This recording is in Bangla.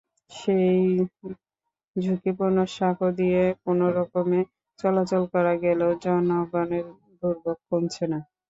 সেই ঝুঁকিপূর্ণ সাঁকো দিয়ে কোনোরকমে চলাচল করা গেলেও জনগণের দুর্ভোগ কমছে না।